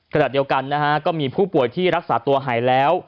ขณะเดียวกันนะฮะก็มีผู้ป่วยที่รักษาตัวหายแล้ว